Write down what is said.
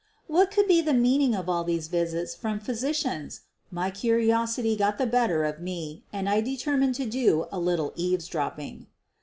What could be the meaning of all these visits from physicians? My curiosity got the better of me and I determined to do a little eavesdropping.